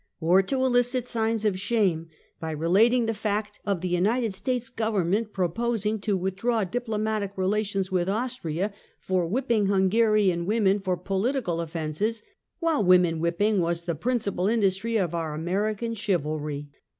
or to elicit signs of shame by relating the fact of the United States government proposing to withdraw diplomatic rela tions with Austria for whipping Hungarian women for political offenses, while woman whipping was the principal industry of our American chivalry.